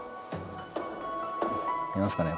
見えますかね？